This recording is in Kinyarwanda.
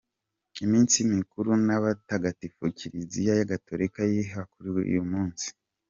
Iminsi mikuru n’abatagatifu kiliziya Gatolika yizihiza kuri uyu munsi:.